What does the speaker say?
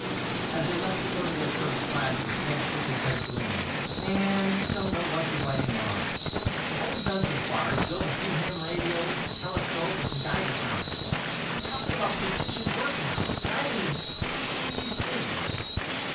As they left to go to their first classes, Ted shook his head gloomily. "Man, you don't know what you're biting off! All we've done so far is build a few ham radios, a telescope, and some Geiger counters. You're talking about precision work now, and I mean pree cision!"